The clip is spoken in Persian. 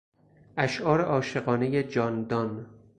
اشعار عاشقانهی جان دان